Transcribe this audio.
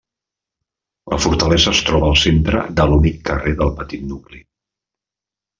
La fortalesa es troba al centre de l'únic carrer del petit nucli.